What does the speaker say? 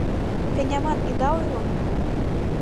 Фенямат ида ойло!